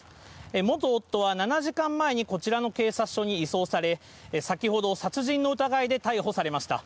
元夫は７時間前にこちらの警察署に移送され先ほど殺人の疑いで逮捕されました。